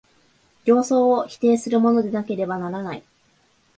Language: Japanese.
形相を否定するものでなければならない。